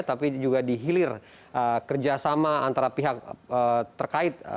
tapi juga dihilir kerjasama antara pihak terkait